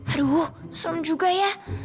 aduh serem juga ya